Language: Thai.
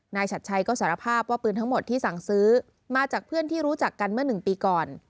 ฉัดชัยก็สารภาพว่าปืนทั้งหมดที่สั่งซื้อมาจากเพื่อนที่รู้จักกันเมื่อ๑ปีก่อน